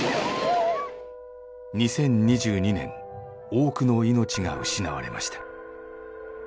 ２０２２年多くの命が失われました。